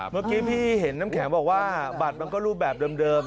เมื่อกี้พี่เห็นน้ำแข็งบอกว่าบัตรมันก็รูปแบบเดิม